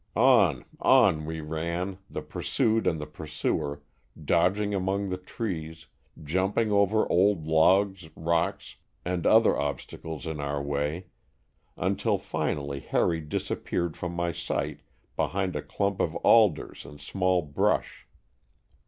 On — on we ran, the pursued and the pursuer, dodging among the trees, jumping over old logs, rocks and other obstacles in our way, until finally Harry disappeared from my sight behind a clump of alders and small brush.